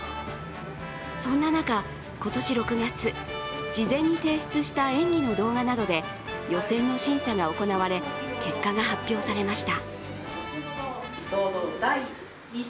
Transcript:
そんな中、今年６月、事前に提出した演技の動画などで予選の審査が行われ結果が発表されました。